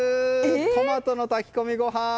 トマトの炊き込みご飯！